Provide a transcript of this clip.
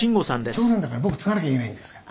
「長男だから僕継がなきゃいけないですから」